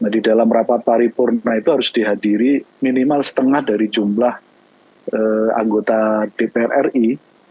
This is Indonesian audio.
di dalam rapat paripurna itu harus dihadiri minimal setengah dari jumlah anggota dpr ri